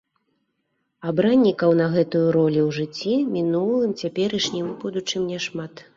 Абраннікаў на гэтую ролю ў жыцці мінулым, цяперашнім і будучым няшмат.